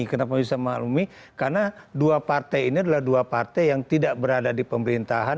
kenapa bisa maklumi karena dua partai ini adalah dua partai yang tidak berada di pemerintahan